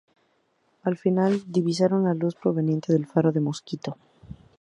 Al fin divisaron la luz proveniente del faro de Mosquito.